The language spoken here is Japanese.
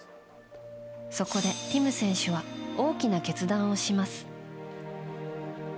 そこで、ティム選手は大きな決断をします。